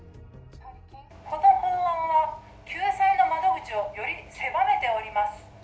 この法案は救済の窓口をより狭めております。